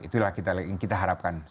itulah yang kita harapkan